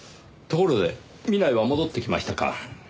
ところで南井は戻ってきましたか？